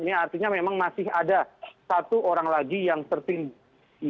ini artinya memang masih ada satu orang lagi yang tertimbun